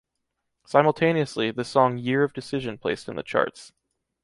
Simultaneously, the song “Year of Decision” placed in the charts.